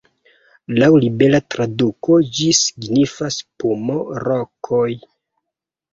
Laŭ libera traduko ĝi signifas "pumo-rokoj".